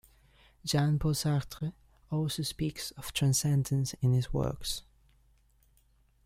Jean-Paul Sartre also speaks of transcendence in his works.